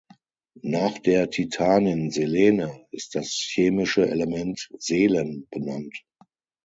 Nach der Titanin Selene ist das chemische Element Selen benannt.